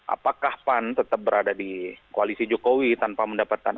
apakah pan tetap berada di koalisi jokowi tanpa mendapatkan